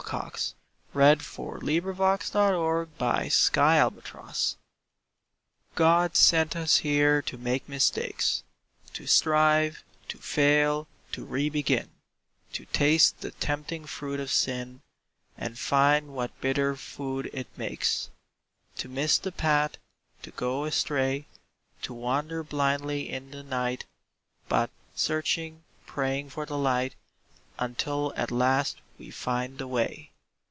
And this alone," said practical Is. MISTAKES God sent us here to make mistakes, To strive, to fail, to re begin, To taste the tempting fruit of sin, And find what bitter food it makes, To miss the path, to go astray, To wander blindly in the night; But, searching, praying for the light, Until at last we find the way.